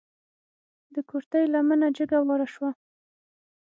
د کورتۍ لمنه جګه واره شوه.